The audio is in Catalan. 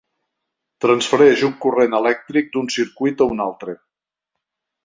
Transfereix un corrent elèctric d'un circuit a un altre.